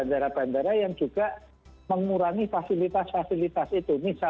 untuk penyajikan ruangan fasilitas yang ada di bandara